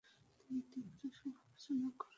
তিনি তীব্র সমালোচনা করেন।